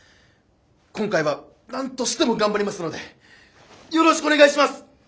今回は何としても頑張りますのでよろしくお願いします！